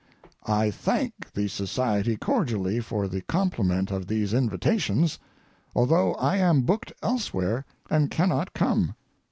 I thank the society cordially for the compliment of these invitations, although I am booked elsewhere and cannot come.